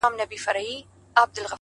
ستا د دوو هنديو سترگو صدقې ته”